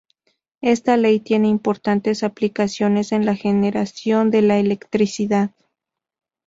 Esta ley tiene importantes aplicaciones en la generación de electricidad.